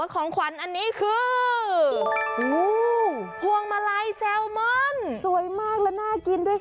ก็คือฮวงมาลัยแซลมอนสวยมากและน่ากินด้วยค่ะ